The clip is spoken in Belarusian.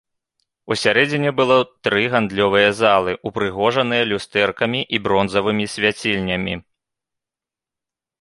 Усярэдзіне было тры гандлёвыя залы, упрыгожаныя люстэркамі і бронзавымі свяцільнямі.